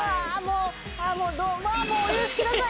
もううわもうお許しください